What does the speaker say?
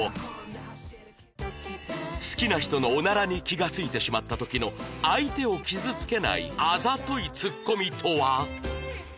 好きな人のオナラに気がついてしまった時の相手を傷つけないあざといツッコミとは？